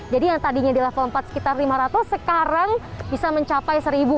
jadi yang tadinya di level empat sekitar lima ratus sekarang bisa mencapai seribu